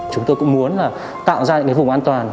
chúng tôi cũng muốn tạo ra những vùng an toàn